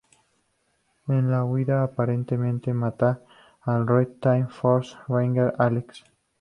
En la huida, aparentemente mata al Red Time Force Ranger, Alex.